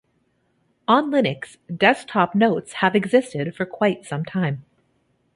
On Linux, desktop notes have existed for quite some time.